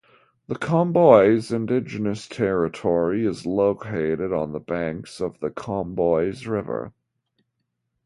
The Comboios Indigenous Territory is located on the banks of the Comboios River.